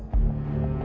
apa yang akan terjadi